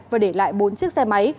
và để lại bốn chiếc xe máy